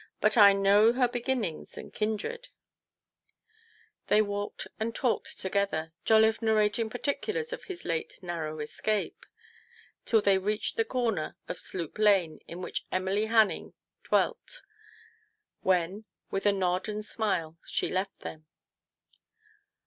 " But I know her beginnings and kindred." TO PLEASE HIS WIFE. 105 They walked and talked together, Jolliffe narrating particulars of his late narrow escape, till they reached the corner of Sloop Lane, in which Emily Hanning dwelt, when, with a nod and smile, she left them.